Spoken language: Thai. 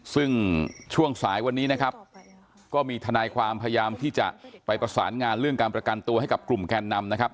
ซึ่งช่วงสายวันนี้นะครับก็มีทนายความพยายามที่จะไปประสานงานเรื่องการประกันตัวให้กับกลุ่มแกนนำนะครับ